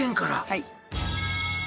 はい。